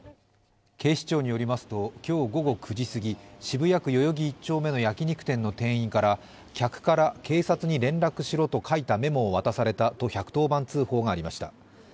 警視庁によりますと、今日午後９時すぎ渋谷区代々木１丁目の焼き肉店の店員から、客から警察に連絡しろと書いたメモを渡されたと１１０番通報がありました。